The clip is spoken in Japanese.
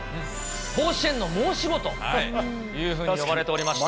甲子園の申し子というふうに呼ばれておりました。